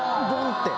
って。